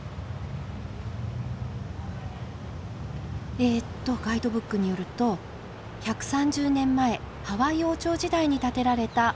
えっとガイドブックによると「１３０年前ハワイ王朝時代に建てられた王宮イオラニ宮殿。